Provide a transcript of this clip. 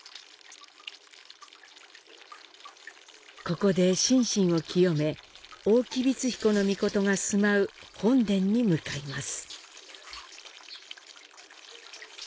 ここで心身を清め大吉備津彦命が住まう本殿に向かいます。